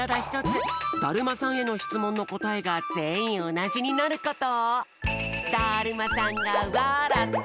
だるまさんへのしつもんのこたえがぜんいんおなじになること。